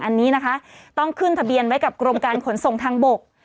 อันนี้นะคะต้องขึ้นทะเบียนไว้กับกรมการขนส่งทางบก